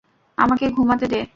আমাকে ঘুমাতে দে।